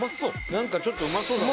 なんかちょっとうまそうだな。